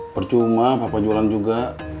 percuma papa jualan juga